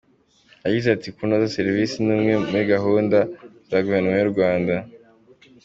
Yagize ati ”Kunoza serivisi ni imwe muri gahunda za guverinoma y’u Rwanda.